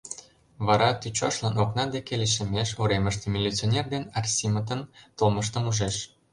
Вара тӱчашлан окна деке лишемеш, уремыште милиционер да Арсимытын толмыштым ужеш.